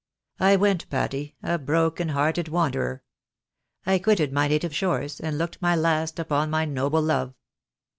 I went, Patty, a broken hearted wanderer ; I quitted my native shores, and looked my last upon my noble love.